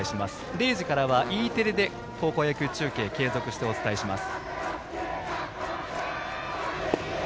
０時からはＥテレで高校野球中継継続してお伝えします。